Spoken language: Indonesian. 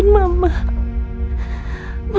aku benar benar hiritasi ya sa